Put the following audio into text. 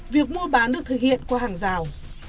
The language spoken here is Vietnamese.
việc mua bán được thực hiện qua hàng rào